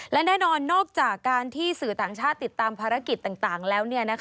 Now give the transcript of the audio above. และแน่นอนนอกจากการที่สื่อต่างชาติติดตามภารกิจต่างแล้ว